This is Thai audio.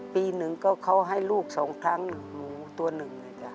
ปีหนึ่งก็เขาให้ลูกสองครั้งหมูตัวนึง